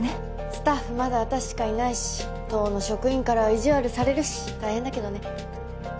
スタッフまだ私しかいないし党の職員からは意地悪されるし大変だけどね。